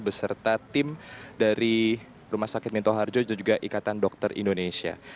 beserta tim dari rumah sakit minto harjo dan juga ikatan dokter indonesia